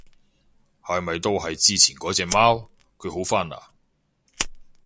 係咪都係之前嗰隻貓？佢好返嘞？